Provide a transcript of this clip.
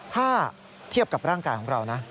ถ้าเทียบกับร่างกายของเรานะ